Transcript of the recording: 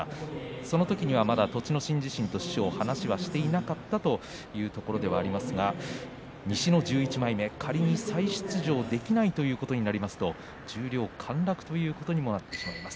その時にはまだ栃ノ心自身と師匠は話をしていなかったというところではありますが西の１１枚目仮に再出場できないということになりますと、十両陥落ということにもなってしまいます。